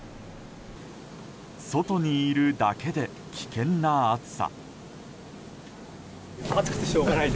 外にいるだけで危険な暑さ。